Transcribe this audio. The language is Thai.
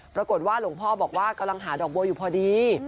ปรากฏว่าหลวงพ่อบอกว่ากำลังหาดอกบัวอยู่พอดี